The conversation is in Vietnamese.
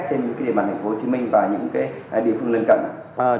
mà thành phố hồ chí minh và những địa phương lên cận